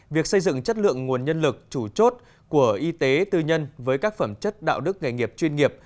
việc xây dựng chất lượng nguồn nhân lực chủ chốt của y tế tư nhân với các phẩm chất đạo đức nghề nghiệp chuyên nghiệp